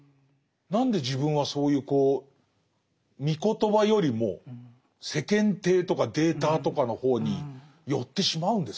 何で自分はそういうこうみ言葉よりも世間体とかデータとかの方に寄ってしまうんですかね。